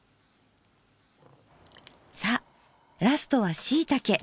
さあラストはしいたけ。